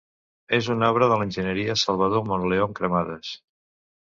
És una obra de l'enginyer Salvador Monleón Cremades.